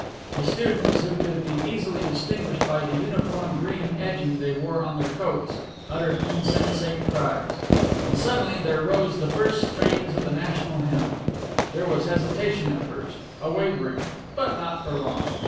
The students, who could be easily distinguished by the uniform green edging they wore on their coats, uttered insensate cries. And suddenly there rose the first strains of the national hymn. There was hesitation at first, a wavering. But not for long.